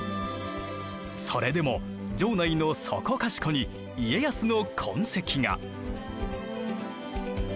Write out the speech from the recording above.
それでも城内のそこかしこに家康の痕跡が。